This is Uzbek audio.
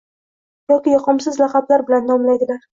yoki yoqimsiz laqablar bilan nomlaydilar.